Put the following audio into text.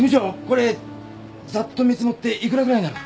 これざっと見積もっていくらぐらいになる？